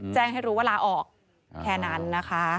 แจ้งให้รู้ว่าลาออกแค่นั้นนะคะ